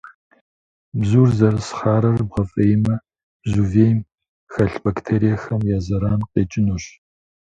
Бзур зэрыс хъарыр бгъэфӏеймэ, бзу вейм хэлъ бактериехэм я зэран къекӏынущ.